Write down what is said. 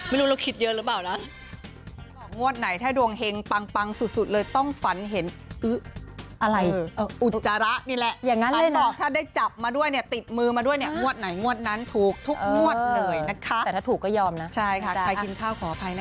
ไม่รู้เราคิดเยอะหรือเปล่านะ